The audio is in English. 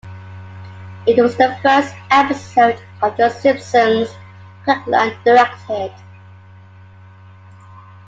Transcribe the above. It was the first episode of "The Simpsons" Kirkland directed.